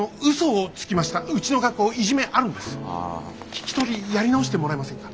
聞き取りやり直してもらえませんか？